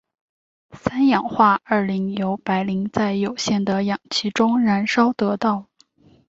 三氧化二磷由白磷在有限的氧气中燃烧得到。